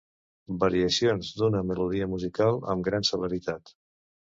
Variacions d'una melodia musical amb gran celeritat.